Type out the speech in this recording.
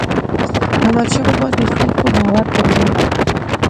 احمدشاه بابا د خلکو باور درلود.